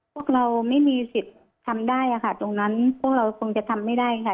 พวกเราไม่มีสิทธิ์ทำได้ค่ะตรงนั้นพวกเราคงจะทำไม่ได้ค่ะ